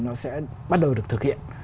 nó sẽ bắt đầu được thực hiện